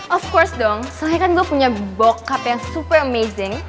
of course dong soalnya kan gue punya bokap yang super amazing